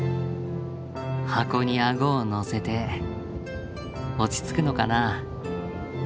箱にあごをのせて落ち着くのかなあ。